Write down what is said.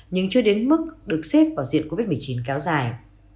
nhưng chưa đến mức được xếp vào diện covid một mươi chín kéo dài